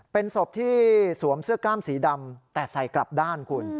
เป็นศพที่สวมเสื้อกล้ามสีดำแต่ใส่กลับด้านคุณ